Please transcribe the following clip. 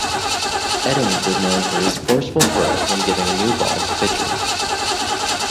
Eddings is known for his forceful throws when giving a new ball to pitcher.